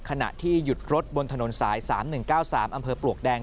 ขณะที่หยุดรถบนถนนสาย๓๑๙๓อำเภอปลวกแดง